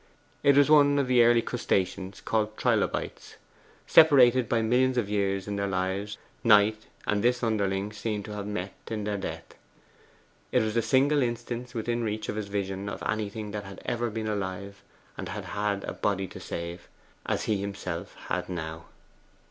It was one of the early crustaceans called Trilobites. Separated by millions of years in their lives, Knight and this underling seemed to have met in their death. It was the single instance within reach of his vision of anything that had ever been alive and had had a body to save, as he himself had now.